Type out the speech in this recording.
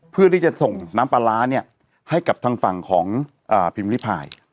เพื่อที่จะส่งน้ำปลาร้าเนี่ยให้กับทางฝั่งของพิมพ์ริพาย